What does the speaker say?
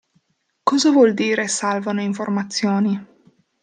Cosa vuol dire salvano informazioni?